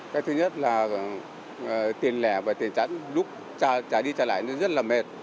cái thứ nhất là tiền lẻ và tiền chẵn lúc trả đi trả lại nó rất là mệt